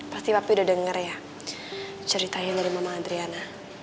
pasti papi udah denger ya ceritain dari mama adriana